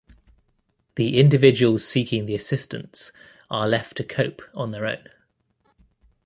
The individuals seeking the assistance are left to cope on their own.